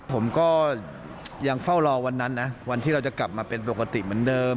ผมก็ยังเฝ้ารอวันนั้นนะวันที่เราจะกลับมาเป็นปกติเหมือนเดิม